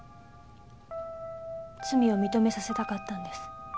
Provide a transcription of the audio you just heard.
罪を認めさせたかったんです。